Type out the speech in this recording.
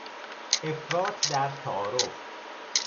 افراط در تعارف